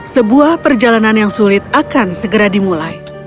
sebuah perjalanan yang sulit akan segera dimulai